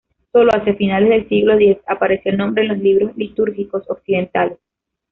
Solo hacia finales del siglo X apareció el nombre en los libros litúrgicos occidentales.